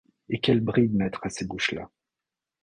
Et quelle bride mettre à ces bouches-là?